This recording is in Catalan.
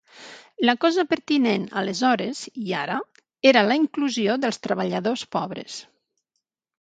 La cosa pertinent aleshores, i ara, era la inclusió dels treballadors pobres.